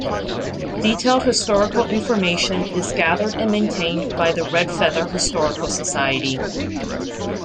Detailed historical information is gathered and maintained by the Red Feather Historical Society.